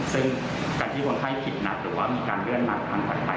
ซึ่งการที่คนไข้ผิดนัดหรือว่ามีการเลื่อนนัดครั้งถัดไป